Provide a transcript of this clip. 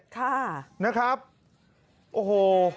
ค่ะนะครับโอ้โห